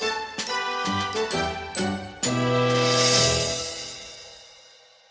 dia menemukan keadaan yang sangat menarik